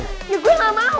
ya gue gak mau